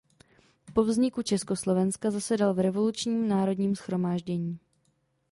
Po vzniku Československa zasedal v Revolučním národním shromáždění.